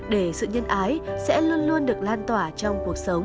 để sự nhân ái sẽ luôn luôn được lan tỏa trong cuộc sống